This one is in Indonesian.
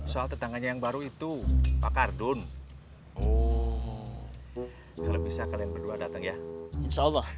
soal tetangganya yang baru itu pak kardun oh kalau bisa kalian berdua datang ya insya allah